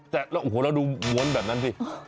แต่โอ้โหแล้วดูวนแบบนั้นสิ